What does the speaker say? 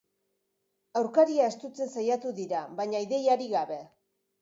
Aurkaria estutzen saiatu dira, baina ideiarik gabe.